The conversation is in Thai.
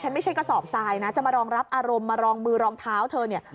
ไม่ใช่กระสอบทรายนะจะมารองรับอารมณ์มารองมือรองเท้าเธอเนี่ย